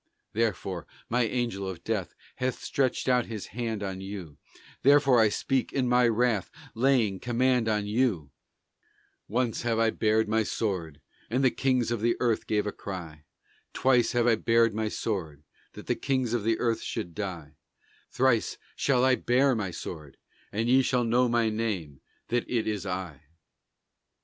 Therefore my Angel of Death Hath stretched out his hand on you, Therefore I speak in my wrath, Laying command on you; (Once have I bared my sword, And the kings of the earth gave a cry; Twice have I bared my sword, That the kings of the earth should die; Thrice shall I bare my sword, And ye shall know my name, that it is I!)